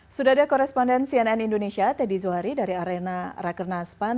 sudah ada koresponden cnn indonesia teddy zuhari dari arena rakernas pan